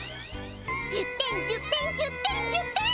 １０点１０点１０点１０点！